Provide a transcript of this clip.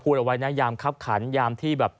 พูดเอาไว้ยามครับขันยามที่แบบ